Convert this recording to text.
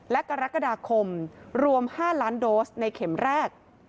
และกรกฎาคมรวม๕ล้านโดสในเข็มแรก